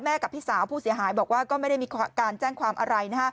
กับพี่สาวผู้เสียหายบอกว่าก็ไม่ได้มีการแจ้งความอะไร